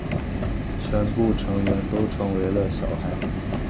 全部成员都成为了小孩。